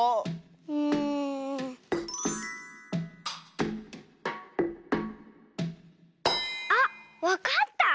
うん。あっわかった！